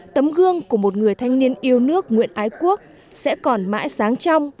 tấm gương của một người thanh niên yêu nước nguyễn ái quốc sẽ còn mãi sáng trong